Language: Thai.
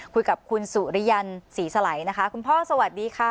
คุยกับคุณสุริยันศรีสลัยนะคะคุณพ่อสวัสดีค่ะ